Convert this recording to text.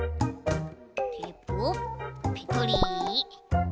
テープをペトリ。